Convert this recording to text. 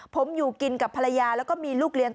ผมอยู่กินกับภรรยาแล้วก็มีลูกเลี้ยง